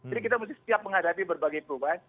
jadi kita mesti siap menghadapi berbagai perubahan